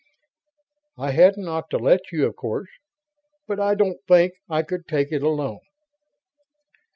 "I hadn't ought to let you, of course. But I don't think I could take it alone."